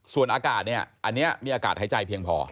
ส่วนอากาศเนี่ยอันนี้มีอากาศหายใจเพียงพอ